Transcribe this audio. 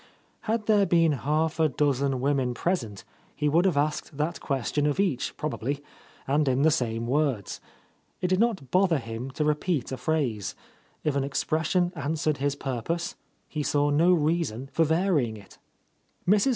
Had there been half a dozen women present, he would have asked that question of each, probably, and in the same words. It did not bother him to repeat a phrase. If an expression answered his purpose, he saw no reason for varying it. Mrs.